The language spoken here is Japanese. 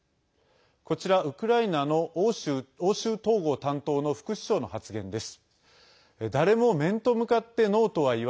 こちら、ウクライナの欧州統合担当の副首相の発言です。